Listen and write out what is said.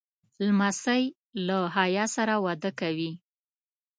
لمسی له حیا سره وده کوي.